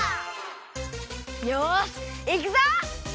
よしいくぞ！